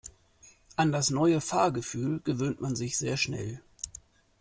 An das neue Fahrgefühl gewöhnt man sich sehr schnell.